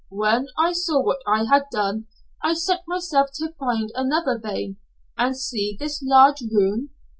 When I saw what I had done, I set myself to find another vein, and see this large room?